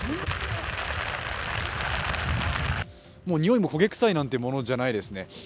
もうにおいも焦げ臭いなんていうものじゃないですね。